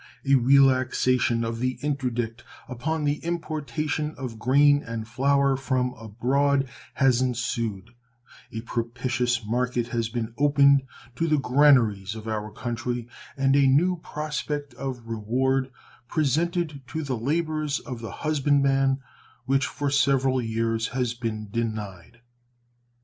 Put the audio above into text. A relaxation of the interdict upon the importation of grain and flour from abroad has ensued, a propitious market has been opened to the granaries of our country, and a new prospect of reward presented to the labors of the husband man, which for several years has been denied.